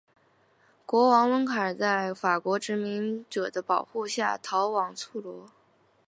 国王温坎在法国殖民者的保护下逃往暹罗。